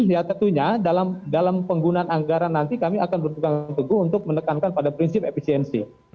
ya tentunya dalam penggunaan anggaran nanti kami akan berpegang teguh untuk menekankan pada prinsip efisiensi